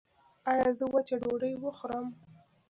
ایا زه وچه ډوډۍ وخورم؟